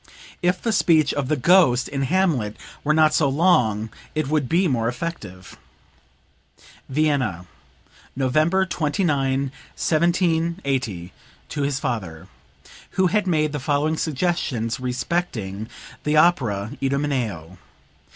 If the speech of the 'Ghost' in 'Hamlet' were not so long it would be more effective." (Vienna, November 29, 1780, to his father, who had made the following suggestions respecting the opera "Idomeneo."